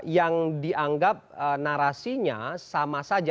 yang dianggap narasinya sama saja